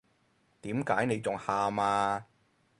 點解你仲喊呀？